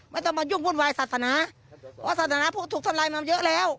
ไม่ต้องมายุ่งวุ่นวายศาสนาว่าศาสนาพุทธถูกทำลายมาเยอะแล้ว